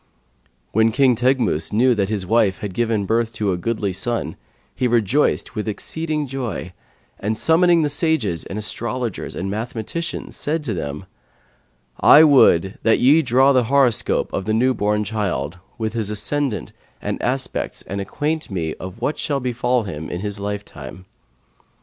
When King Teghmus knew that his wife had given birth to a goodly son, he rejoiced with exceeding joy and, summoning the sages and astrologers and mathematicians, said to them, 'I would that ye draw the horoscope of the newborn child with his ascendant and its aspects and acquaint me what shall befall him in his lifetime.'